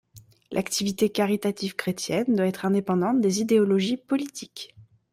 L'activité caritative chrétienne doit être indépendante des idéologies politiques.